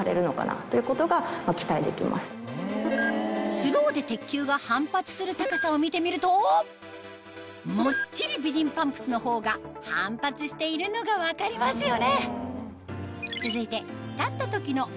スローで鉄球が反発する高さを見てみるともっちり美人パンプスの方が反発しているのが分かりますよね